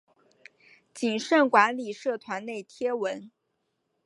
谨慎管理社团内贴文